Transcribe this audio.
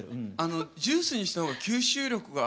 ジュースにした方が吸収力が。